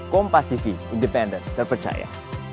kompas tv independen terpercaya